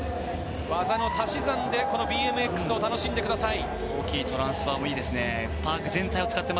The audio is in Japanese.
技の足し算でＢＭＸを楽しんでください。